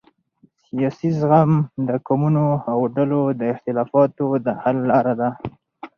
سیاسي زغم د قومونو او ډلو د اختلافاتو د حل لاره ده